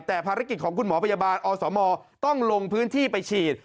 แต่ภารกิจของคุณหมอพยาบาลอสมต้องลงพื้นที่ไปฉีด